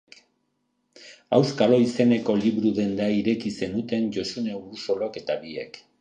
Auskalo izeneko liburu-denda ireki zenuten Josune Urrosolok eta biek.